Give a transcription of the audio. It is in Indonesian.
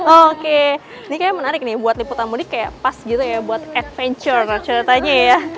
oke ini kayaknya menarik nih buat liputan mudik kayak pas gitu ya buat adventure ceritanya ya